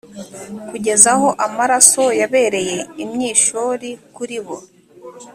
kugeza aho amaraso yabereye imyishori kuri bo